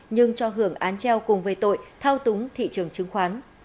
nhưng cho hưởng án treo cùng về tội thao túng thị trường chứng khoán